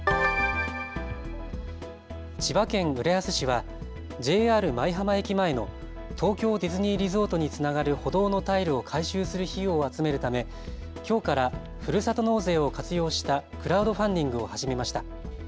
千葉県浦安市はＪＲ舞浜駅前の東京ディズニーリゾートにつながる歩道のタイルを改修する費用を集めるため、きょうからふるさと納税を活用したクラウドファンディングを始めました。